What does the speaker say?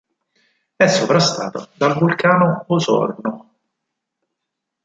È sovrastata dal Vulcano Osorno.